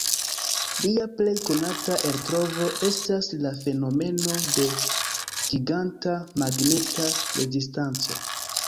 Lia plej konata eltrovo estas la fenomeno de Giganta Magneta Rezistanco.